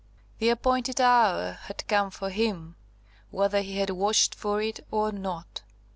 The appointed hour had come for him, whether he had watched for it or not.